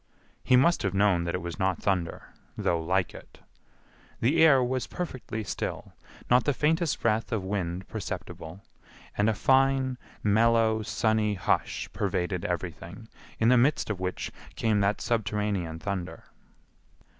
He must have known that it was not thunder, though like it. The air was perfectly still, not the faintest breath of wind perceptible, and a fine, mellow, sunny hush pervaded everything, in the midst of which came that subterranean thunder.